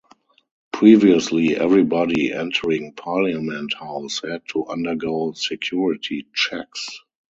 Previously, everybody entering Parliament House had to undergo security checks.